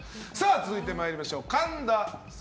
続いて参りましょう。